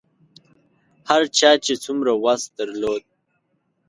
هر چا چې څومره وس درلود.